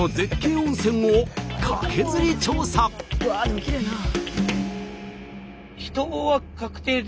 うわでもきれいなあ。